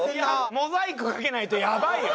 モザイクかけないとやばいよ。